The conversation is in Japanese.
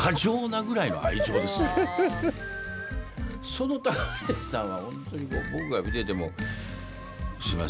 その高橋さんは本当にこう僕が見てても、すみません